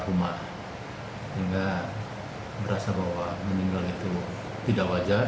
kemudian penyebab meninggalnya lina